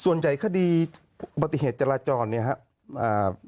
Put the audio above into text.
ส่วนใจคดีปฏิเหตุจราจรเนี่ยครับ